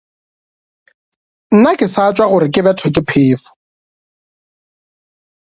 Nna ke sa tšwa gore ke bethwe ke phefo.